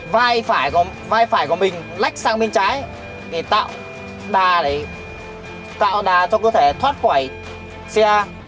vai phải có vai phải của mình lách sang bên trái để tạo đà để tạo đà cho cơ thể thoát khỏi xe